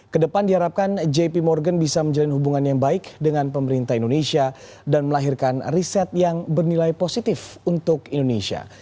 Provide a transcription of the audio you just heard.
kedepan diharapkan jp morgan bisa menjalin hubungan yang baik dengan pemerintah indonesia dan melahirkan riset yang bernilai positif untuk indonesia